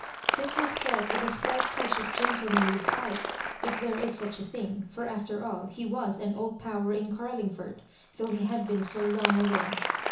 This was said with a slight touch of gentlemanly spite, if there Is such a thing; for after all, he was an old power in Carlingford, though he had been so long away.